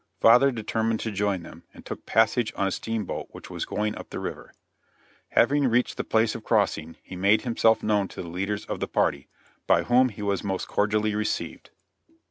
Father determined to join them, and took passage on a steamboat which was going up the river. Having reached the place of crossing, he made himself known to the leaders of the party, by whom he was most cordially received.